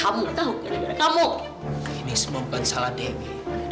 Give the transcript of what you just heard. bukan salah dewi